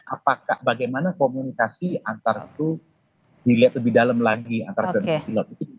apakah bagaimana komunikasi antar itu dilihat lebih dalam lagi antar pilot